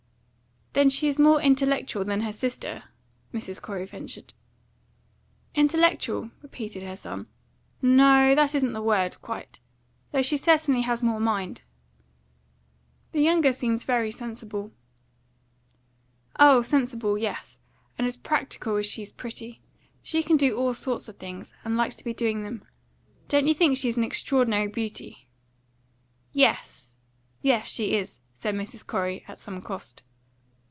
"Then she is more intellectual than her sister?" Mrs. Corey ventured. "Intellectual?" repeated her son. "No; that isn't the word, quite. Though she certainly has more mind." "The younger seemed very sensible." "Oh, sensible, yes. And as practical as she's pretty. She can do all sorts of things, and likes to be doing them. Don't you think she's an extraordinary beauty?" "Yes yes, she is," said Mrs. Corey, at some cost.